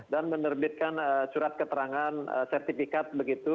dan menerbitkan curhat keterangan sertifikat begitu